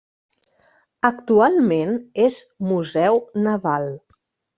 Actualment és Museu Naval.